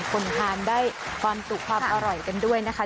คนทานได้ความสุขความอร่อยกันด้วยนะคะ